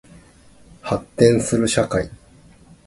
発展する社会